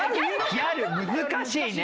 ギャル難しいね。